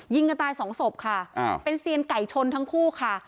กันตายสองศพค่ะเป็นเซียนไก่ชนทั้งคู่ค่ะ